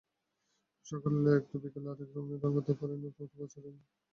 সকালে এক, তো বিকেলে আরেক রঙে রাঙাতে পারেন নতুন বছরের পয়লা দিন।